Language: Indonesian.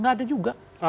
gak ada juga